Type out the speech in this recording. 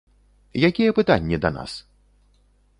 Якія пытанні да нас?